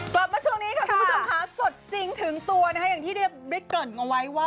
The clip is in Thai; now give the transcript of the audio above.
กลับมาช่วงนี้ค่ะคุณผู้ชมคะสดจริงถึงตัวนะคะอย่างที่เจ๋งความว่า